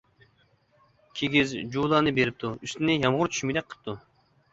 كىگىز، جۇۋىلارنى بېرىپتۇ، ئۈستىنى يامغۇر چۈشمىگۈدەك قىپتۇ.